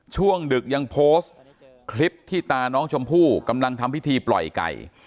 ช่วงดึกยังโพสต์คลิปที่ตาน้องชมพู่กำลังทำพิธีปล่อยไก่